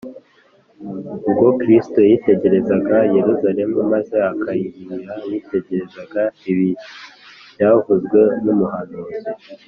’ ubwo kristo yitegerezaga yerusalemu maze akayiririra, yitegerezaga ibi byavuzwe n’umuhanuzi